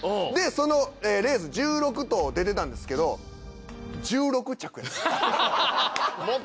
そのレース１６頭出てたんですけど１６着やったんですよ。